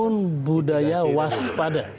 membangun budaya waspada